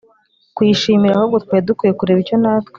kuyishimira. Ahubwo twari dukwiye kureba icyo natwe